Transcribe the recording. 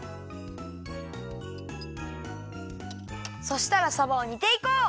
そしたらさばを煮ていこう。